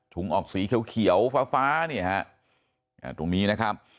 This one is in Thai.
ถุงออกสีเขียวฟ้าเนี่ยฮะถุงนี้นะครับ